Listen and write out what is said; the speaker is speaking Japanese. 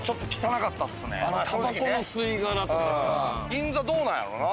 銀座どうなんやろうな。